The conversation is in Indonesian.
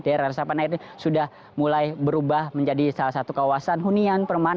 daerah resapan air ini sudah mulai berubah menjadi salah satu kawasan hunian permahan